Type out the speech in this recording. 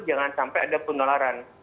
jangan sampai ada penularan